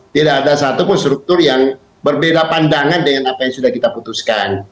tidak ada satupun struktur yang berbeda pandangan dengan apa yang sudah kita putuskan